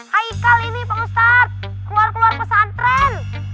haikal ini bu ustadz keluar keluar pasantren